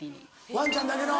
ワンちゃんだけの。